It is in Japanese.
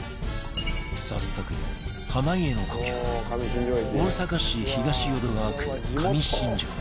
早速濱家の故郷大阪市東淀川区上新庄へ